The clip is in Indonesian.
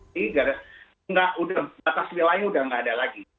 kalau mungkin karya kita itu bisa diikuti karena batas wilayahnya udah gak ada lagi